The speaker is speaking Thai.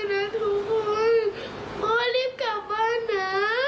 เจอกันนะทุกคนพ่อรีบกลับบ้านนะ